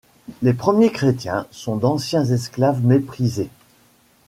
Les premiers chrétiens sont d'anciens esclaves méprisés.